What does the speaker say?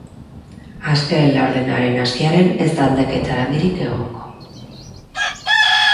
Azken laurdenaren hasieran ez da aldaketa handirik egon.